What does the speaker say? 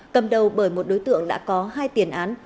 cầm đầu bởi một đối tượng đã có hai tiền án